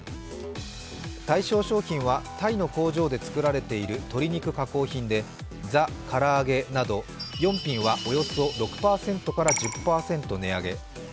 対象商品はタイの工場で作られている鶏肉加工品でザ・から揚げなど４品はおよそ６％から１０％値上げ。